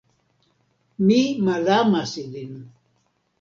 Mi malamas ilin.